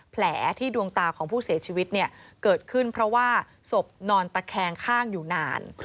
แผลที่ดวงตาของผู้เสียชีวิตเนี่ยเกิดขึ้นเพราะว่าศพนอนตะแคงข้างอยู่นาน